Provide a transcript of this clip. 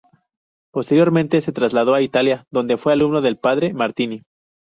Posteriormente se trasladó a Italia donde fue alumno del Padre Martini.